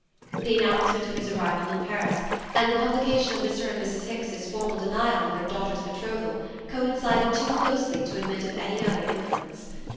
The announcement of his arrival in Paris and the publication of Mr. and Mrs. Hicks's formal denial of their daughter's betrothal coincided too closely to admit of any other inference.